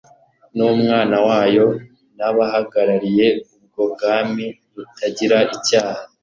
n'Umwana wa yo n'abahagarariye ubwo bwami butagira icyaha,